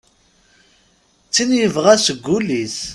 D tin yebɣa seg wul-is.